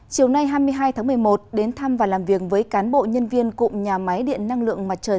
chiều nay hai mươi hai tháng một mươi một đến thăm và làm việc với cán bộ nhân viên cụm nhà máy điện năng lượng mặt trời